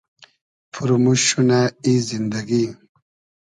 پورموشت شونۂ ای زیندئگی